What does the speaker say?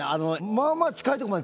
まあまあ近いとこまで。